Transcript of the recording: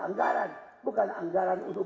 anggaran bukan anggaran untuk